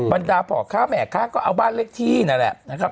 บรรดาพ่อค้าแหม่ข้างก็เอาบ้านเลขที่นั่นแหละนะครับ